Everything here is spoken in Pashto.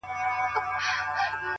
اې د قوتي زلفو مېرمني در نه ځمه سهار-